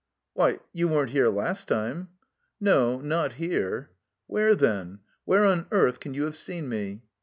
"Why, you weren't here last time?" "No. Not here." "Where, then? Where on earth can you have seen me?"